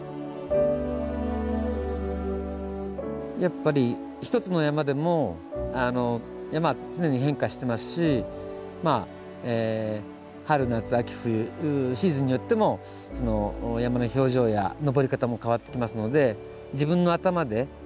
やっぱり一つの山でも山は常に変化してますしまあえ春夏秋冬シーズンによっても山の表情や登り方も変わってきますので自分の頭で考える。